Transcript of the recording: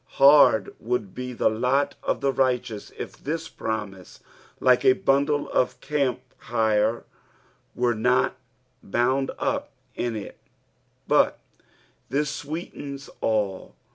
Hard would be the lot of the righteous if this promise, like a bundle of camphire, were not bound up in it, but this sweetens all.